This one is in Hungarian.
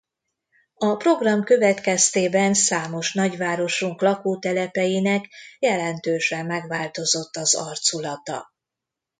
A program következtében számos nagyvárosunk lakótelepeinek jelentősen megváltozott az arculata.